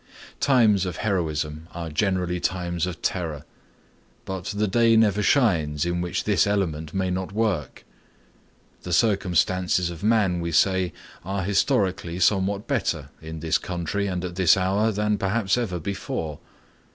Times of heroism are generally times of terror, but the day never shines in which this element may not work. The circumstances of man, we say, are historically somewhat better in this country and at this hour than perhaps ever before.